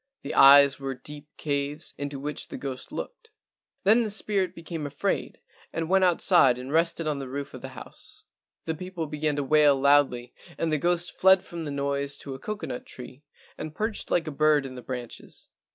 The eyes were deep caves, into which the ghost looked. Then the spirit became afraid and went outside and rested on the roof of the house. The people began to wail loudly A VISIT TO THE KING OF GHOSTS ioi and the ghost fled from the noise to a coconut tree and perched like a bird in the branches.